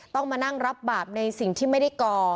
ต้องมานั่งรับบาปในสิ่งที่ไม่ได้ก่อ